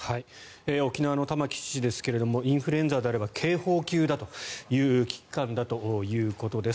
沖縄の玉城知事ですがインフルエンザであれば警報級だという危機感だということです。